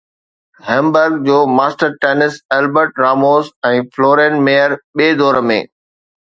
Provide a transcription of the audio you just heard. Hamburg جو master tennis Albert Ramos ۽ Florian Mayer ٻئي دور ۾